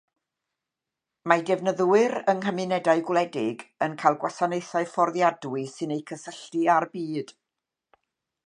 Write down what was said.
Mae defnyddwyr yng nghymunedau gwledig yn cael gwasanaethau fforddiadwy sy'n eu cysylltu â'r byd.